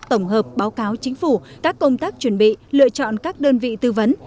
tổng hợp báo cáo chính phủ các công tác chuẩn bị lựa chọn các đơn vị tư vấn